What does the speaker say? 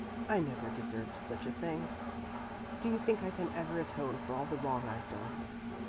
I never deserved such a thing! Do you think I can ever atone for all the wrong I've done?"